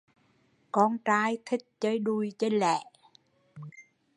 Con trai thích chơi đùi chơi lẻ